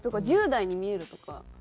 「１０代に見える」とか。